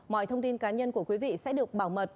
mọi thông tin cá nhân của quý vị sẽ được bảo mật